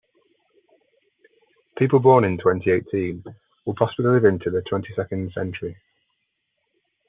People born in twenty-eighteen will possibly live into the twenty-second century.